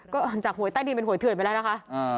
ก็จากหวยใต้ดินเป็นหวยเถื่อนไปแล้วนะคะ